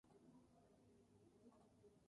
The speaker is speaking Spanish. Se encuentra en Texas en los Estados Unidos.